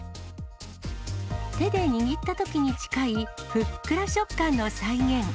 手で握ったときに近いふっくら食感の再現。